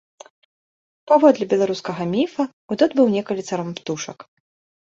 Паводле беларускага міфа, удод быў некалі царом птушак.